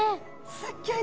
すギョい